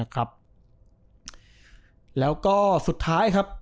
แล้วก็สุดท้ายครับ